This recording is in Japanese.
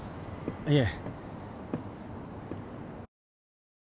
いえ。